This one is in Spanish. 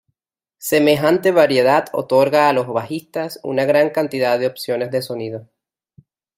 Semejante variedad otorga a los bajistas una gran cantidad de opciones de sonido.